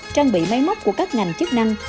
trang bị máy móc của các ngành chức năng